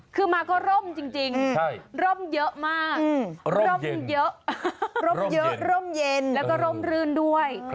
คือมาก็ร่มจริงร่มเยอะมากร่มเยอะร่มเยอะร่มเย็นแล้วก็ร่มรื่นด้วย